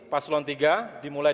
paslon tiga dimulai